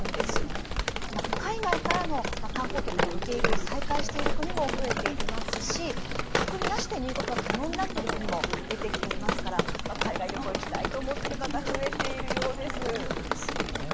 海外からの観光客の受け入れを再開している国も増えていますし隔離なしで入国が可能になってる国も出てきていますから海外旅行行きたいと思ってる方増えているようです。ですね。